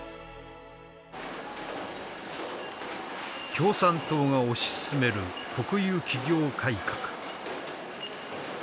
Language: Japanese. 共産党が推し進める国有企業改革。